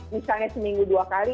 misalnya seminggu dua kali